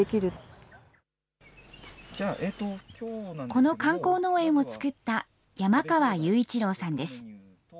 この観光農園を作った山川勇一郎さんです。